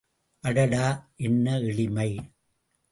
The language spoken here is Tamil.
அடடா என்ன எளிமை.